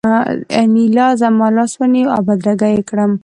انیلا زما لاس ونیو او بدرګه یې کړم